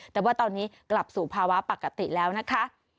แต่ว่าตอนนี้กลับสู่ภาวะปกติแล้วนะคะ